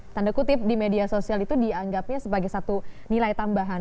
tanda kutip di media sosial itu dianggapnya sebagai satu nilai tambahan